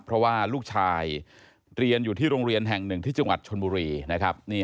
เพราะว่าลูกชายเรียนอยู่ที่โรงเรียนแห่งหนึ่งที่จังหวัดชนบุรีนะครับ